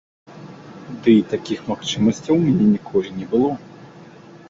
Ды і такіх магчымасцяў у мяне ніколі не было.